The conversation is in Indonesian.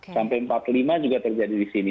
sampai empat puluh lima juga terjadi di sini